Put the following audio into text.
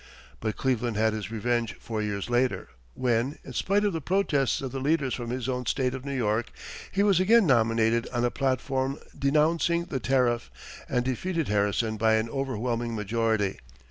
But Cleveland had his revenge four years later, when, in spite of the protests of the leaders from his own state of New York, he was again nominated on a platform denouncing the tariff, and defeated Harrison by an overwhelming majority.